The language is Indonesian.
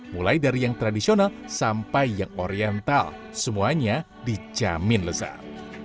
mulai dari yang tradisional sampai yang oriental semuanya dijamin lesat